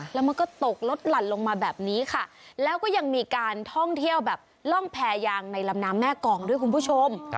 แล้วมันก็ตกลดหลั่นลงมาแบบนี้ค่ะแล้วก็ยังมีการท่องเที่ยวแบบร่องแพรยางในลำน้ำแม่กองด้วยคุณผู้ชม